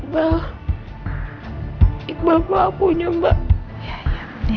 bagaimana melakunya mbak